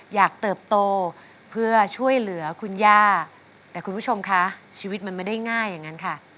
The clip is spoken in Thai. เติบโตเพื่อช่วยเหลือคุณย่าแต่คุณผู้ชมคะชีวิตมันไม่ได้ง่ายอย่างนั้นค่ะ